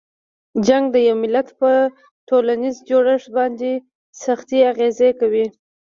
جنګ د یوه ملت په ټولنیز جوړښت باندې سختې اغیزې کوي.